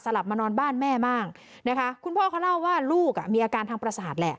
กลับมานอนบ้านแม่บ้างนะคะคุณพ่อเขาเล่าว่าลูกอ่ะมีอาการทางประสาทแหละ